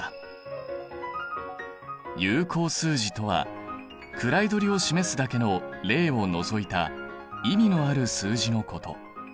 有効数字とは位取りを示すだけの０を除いた意味のある数字のこと。